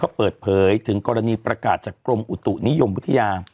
เปิดเผยถึงกรณีประกาศจากกรมอุตุนิยมวิทยา